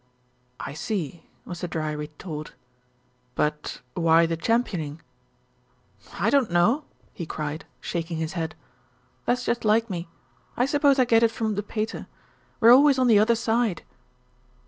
"I see," was the dry retort; "but why the champion ing?" "I don't know," he cried, shaking his head. "That's just like me. I suppose I get it from the pater. We're always on the other side."